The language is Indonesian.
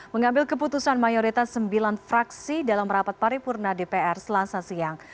mengambil keputusan mayoritas sembilan fraksi dalam rapat paripurna dpr selasa siang